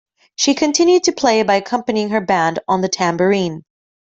She continued to play by accompanying her band on the tambourine.